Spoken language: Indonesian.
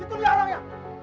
itu dia orangnya